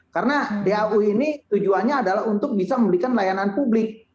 karena dau ini tujuannya adalah untuk bisa memberikan layanan publik